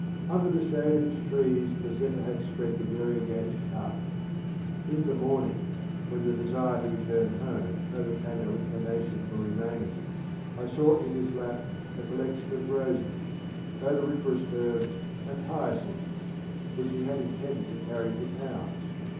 Under the shade of its trees the lephyi had spread the variegated carpet. In the morning, wber the desire to return home overcame our inclination fo: remaining, I saw in his lap a collection of roses, odorifer ous herbs, and hyacinths, which he had intended to carrj to town.